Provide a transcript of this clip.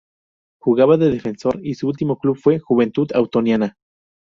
Jugaba de defensor y su último club fue Juventud Antoniana.